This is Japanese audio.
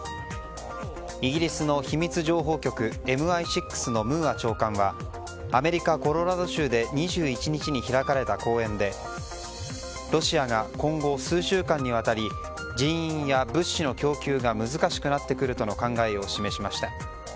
イギリスの秘密情報局ＭＩ６のムーア長官はアメリカ・コロラド州で２１日に開かれた講演でロシアが今後数週間にわたり人員や物資の供給が難しくなってくるとの考えを示しました。